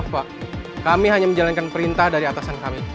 pak kami hanya menjalankan perintah dari atasan kami